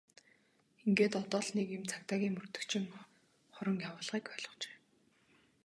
Ингээд одоо л нэг юм цагдаагийн мөрдөгчийн хорон явуулгыг ойлгожээ!